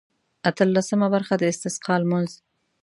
اتلسمه برخه د استسقا لمونځ.